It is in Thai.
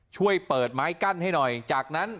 ช่วยเปิดไม้กั้นให้หน่อยจากนั้น